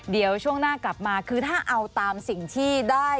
เดี๋ยวช่วงหน้ากลับมาคือถ้าเอาตามสิ่งที่ได้